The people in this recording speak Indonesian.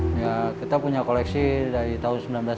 pertama pita film seluloid yang sudah diberi kualitas film seluloid